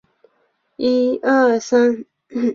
海鸥学园的奇妙传言之一。